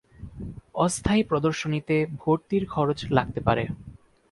অস্থায়ী প্রদর্শনীতে ভর্তির খরচ লাগতে পারে।